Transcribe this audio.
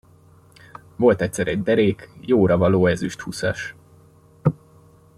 Volt egyszer egy derék, jóravaló ezüsthúszas.